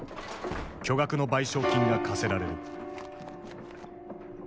巨額の賠償金が課せられる。